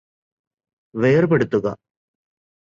വേർപെടുത്തുക